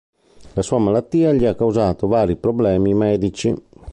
La sua malattia gli ha causato vari problemi medici.